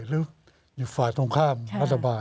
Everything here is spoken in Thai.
หรืออยู่ฝ่ายตรงข้ามรัฐบาล